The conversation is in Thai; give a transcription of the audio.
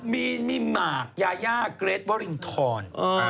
มีนมีมากยายาเกรทเวอร์ริงทอน